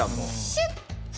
シュッ！